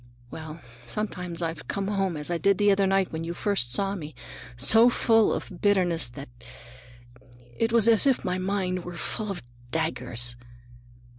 Well, sometimes I've come home as I did the other night when you first saw me, so full of bitterness that it was as if my mind were full of daggers.